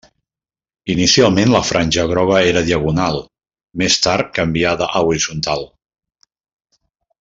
Inicialment la franja groga era diagonal, més tard canviada a horitzontal.